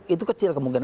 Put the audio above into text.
itu kecil kemungkinan